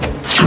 kau tidak tahu